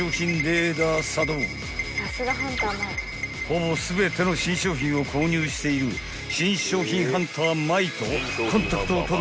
［ほぼ全ての新商品を購入している新商品ハンター舞と］